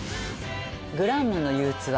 『グランマの憂鬱』は。